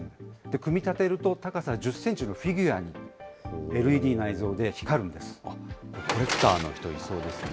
組み立てると高さ１０センチのフィギュアに、ＬＥＤ内蔵で光るんコレクターの人、いそうです